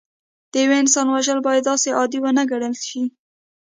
د یو انسان وژل باید داسې عادي ونه ګڼل شي